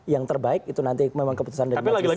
yang terbaik itu nanti memang keputusan dari majelis